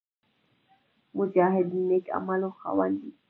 مجاهد د نېک عملونو خاوند وي.